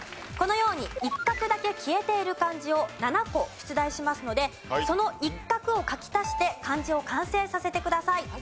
このように一画だけ消えている漢字を７個出題しますのでその一画を書き足して漢字を完成させてください。